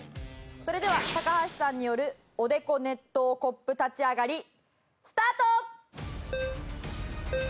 それでは高橋さんによるおでこ熱湯コップ立ち上がりスタート！